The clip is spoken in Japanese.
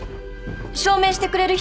証明してくれる人は？